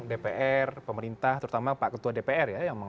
dpr pemerintah terutama pak ketua dpr ya